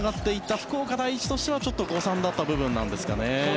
福岡第一としては誤算だった部分なんですかね。